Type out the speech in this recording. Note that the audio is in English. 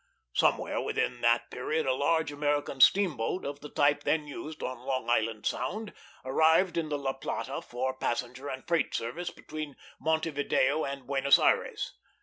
Somewhere within that period a large American steamboat, of the type then used on Long Island Sound, arrived in the La Plata for passenger and freight service between Montevideo and Buenos Ayres.